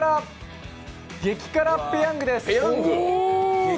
激辛ペヤングです。